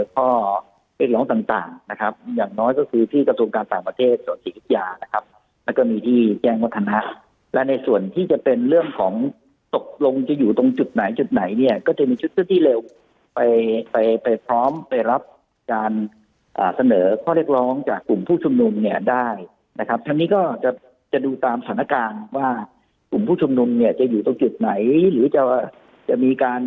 ก็คือที่กระทรวงการต่างประเทศสวทธิศยานะครับแล้วก็มีที่แจ้งวัฒนะและในส่วนที่จะเป็นเรื่องของตกลงจะอยู่ตรงจุดไหนจุดไหนเนี้ยก็จะมีชุดที่เร็วไปไปไปพร้อมไปรับการอ่าเสนอข้อเรียกร้องจากกลุ่มผู้ชมนมเนี้ยได้นะครับท่านนี้ก็จะจะดูตามสถานการณ์ว่ากลุ่มผู้ชมนมเนี้ยจะอยู่ตรงจุดไหนหรือจะจะมี